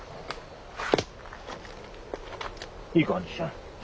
いい感じじゃん。